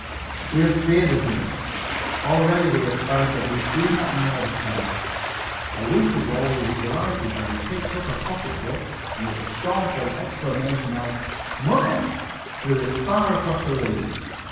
We have feared as much. Already we have found that we do not know the child. A week ago we were delighted when he picked up a pocketbook and, with a scornful exclamation of "Money!" threw it far across the room.